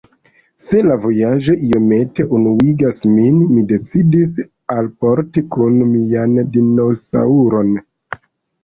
Se la vojaĝo iomete enuigas min, mi decidis alporti kun mian dinosaŭron.